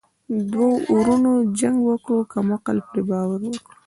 ـ دوه ورونو جنګ وکړو کم عقلو پري باور وکړو.